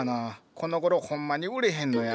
このごろほんまに売れへんのや。